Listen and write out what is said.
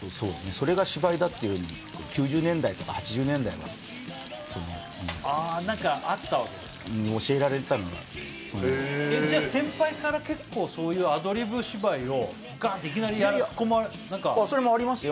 それが芝居だっていうの９０年代とか８０年代はそのああ何かあったわけですか教えられてたのがそうじゃ先輩から結構そういうアドリブ芝居をガッていきなりそれもありますよ